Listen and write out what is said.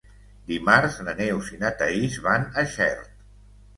Dimarts na Neus i na Thaís van a Xert.